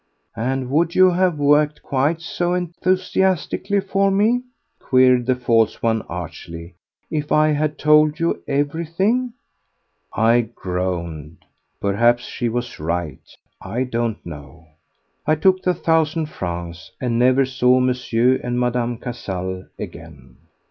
"And would you have worked quite so enthusiastically for me," queried the false one archly, "if I had told you everything?" I groaned. Perhaps she was right. I don't know. I took the thousand francs and never saw M. and Mme. Cazalès again.